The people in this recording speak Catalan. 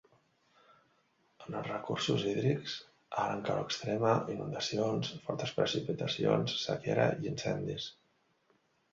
En els recursos hídrics, alt en calor extrema, inundacions, fortes precipitacions, sequera i incendis.